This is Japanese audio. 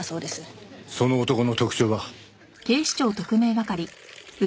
その男の特徴は？